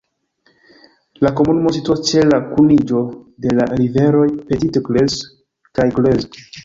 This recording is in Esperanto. La komunumo situas ĉe la kuniĝo de la riveroj Petite Creuse kaj Creuse.